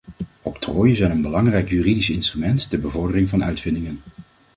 Octrooien zijn een belangrijk juridische instrument ter bevordering van uitvindingen.